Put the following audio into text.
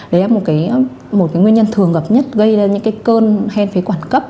đấy là một cái nguyên nhân thường gặp nhất gây ra những cái cơn hen phế quản cấp